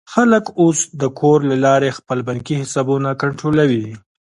خلک اوس د کور له لارې خپل بانکي حسابونه کنټرولوي.